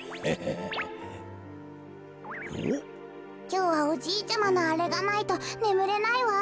きょうはおじいちゃまのあれがないとねむれないわ。